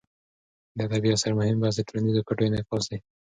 د ادبي اثر مهم بحث د ټولنیزو ګټو انعکاس دی.